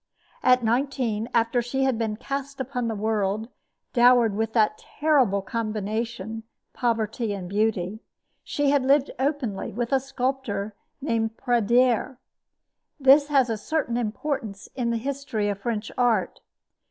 At nineteen, after she had been cast upon the world, dowered with that terrible combination, poverty and beauty, she had lived openly with a sculptor named Pradier. This has a certain importance in the history of French art.